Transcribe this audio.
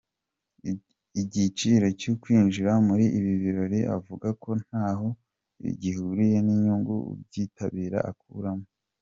Igiciro cyo kwinjira muri ibi birori avuga ko ntaho gihuriye n’inyungu ubyitabira akuramo.